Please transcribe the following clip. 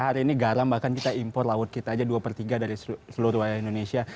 hari ini garam bahkan kita impor laut kita aja dua per tiga dari seluruh wilayah indonesia